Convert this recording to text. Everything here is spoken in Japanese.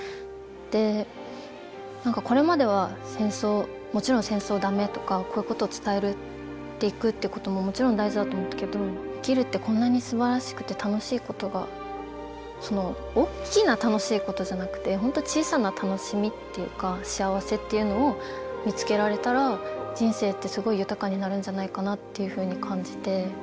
でこれまではもちろん戦争は駄目とかこういうことを伝えていくってことももちろん大事だと思ったけど生きるってこんなにすばらしくて楽しいことがその大きな楽しいことじゃなくて本当小さな楽しみというか幸せっていうのを見つけられたら人生ってすごい豊かになるんじゃないかなっていうふうに感じて。